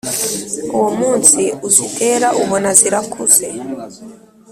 Uwo munsi uzitera, ubona zirakuze,